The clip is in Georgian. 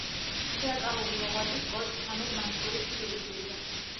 თეატრალური მოღვაწის, პოეტ სამედ მანსურის შვილიშვილია.